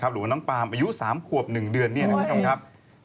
หรือน้องปรามอายุ๓ควบ๑เดือนนี่นะครับ